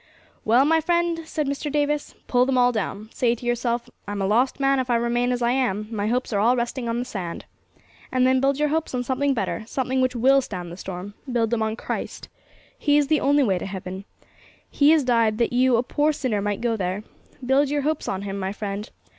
'Well, my friend,' said Mr. Davis, 'pull them all down. Say to yourself, "I'm a lost man if I remain as I am; my hopes are all resting on the sand." And then, build your hopes on something better, something which will stand the storm; build them on Christ. He is the only way to heaven. He has died that you, a poor sinner, might go there. Build your hopes on Him, my friend.